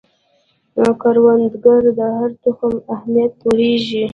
کروندګر د هر تخم اهمیت پوهیږي